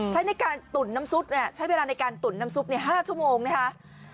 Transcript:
ใช้ในการตุ๋นน้ำซุปใช้เวลาในการตุ๋นน้ำซุป๕ชั่วโมงนะคะ